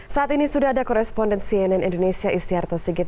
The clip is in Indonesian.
saat ini sudah ada koresponden cnn indonesia istiarto sigit